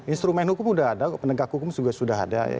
instrumen hukum sudah ada penegak hukum juga sudah ada